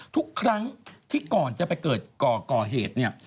ทุกครั้งที่ก่อนจะไปเกิดก่อเหตุเนี่ย